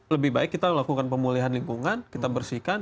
lebih baik kita lakukan pemulihan lingkungan kita bersihkan